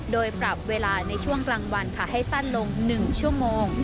โดยปรับเวลาในช่วงกลางวันค่ะให้สั้นลง๑ชั่วโมง